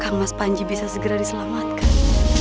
berarti akan mas panji bisa segera diselamatkan